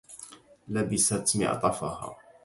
لَبِست معطفها.